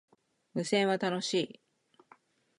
無線は、楽しい